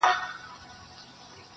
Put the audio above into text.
جدايي وخوړم لاليه، ستا خبر نه راځي.